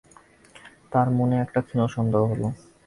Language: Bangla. তাঁর মনে একটা ক্ষীণ সন্দেহ হল!